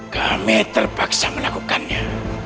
kami terpaksa melakukannya